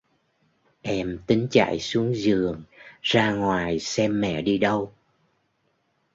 em tính chạy xuống giường ra ngoài xem mẹ đi đâu